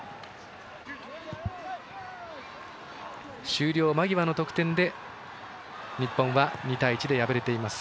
終了間際の得点で日本は２対１で敗れています。